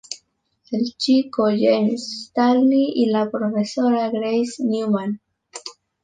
El chico es James Stanley y la profesora Grace Newman.